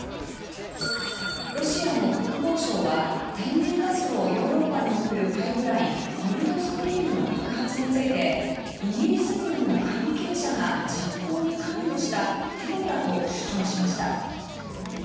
ロシアの国防省は天然ガスをヨーロッパに送るパイプラインノルドストリームの爆発についてイギリス軍の関係者が実行に関与したテロだと主張しました。